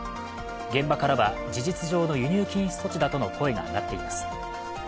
現場からは事実上の輸入禁止措置だとの声が上がっています。